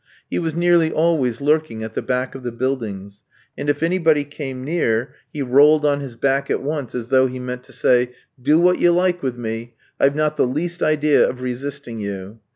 He was nearly always lurking at the back of the buildings; and if anybody came near he rolled on his back at once, as though he meant to say, "Do what you like with me; I've not the least idea of resisting you."